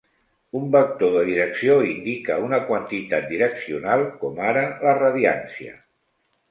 Un vector de direcció indica una quantitat direccional, com ara la radiància.